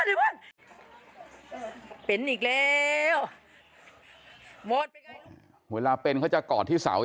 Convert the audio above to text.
น่าไปเริ่มพูดเหมือนกับแม่ที่ตลอดหายพวกที่ตาย